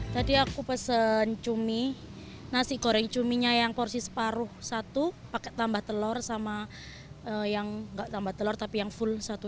tadi aku pesen cumi nasi goreng cuminya yang porsi separuh satu pakai tambah telur sama yang full satu